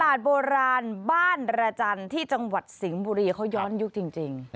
โบราณบ้านระจันทร์ที่จังหวัดสิงห์บุรีเขาย้อนยุคจริง